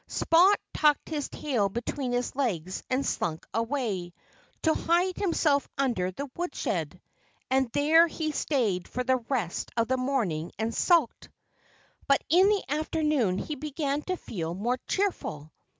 Spot tucked his tail between his legs and slunk away, to hide himself under the woodshed. And there he stayed for the rest of the morning and sulked. But in the afternoon he began to feel more cheerful.